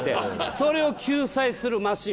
それを救済するマシン